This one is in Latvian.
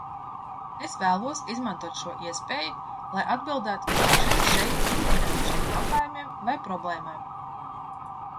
Es vēlos izmantot šo iespēju, lai atbildētu uz dažiem šeit izskanējušiem jautājumiem vai problēmām.